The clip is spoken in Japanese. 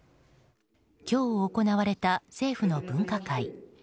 今日行われた政府の分科会。